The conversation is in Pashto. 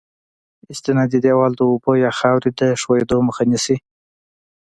استنادي دیوال د اوبو یا خاورې د ښوېدلو مخه نیسي